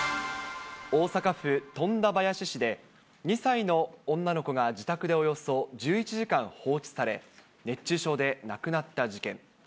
大阪府富田林市で、２歳の女の子が自宅でおよそ１１時間放置され、熱中症で亡くなった事件。